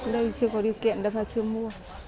đây chưa có điều kiện đâu